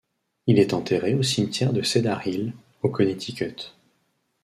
Il est enterré au cimetière de Cedar Hill, au Connecticut.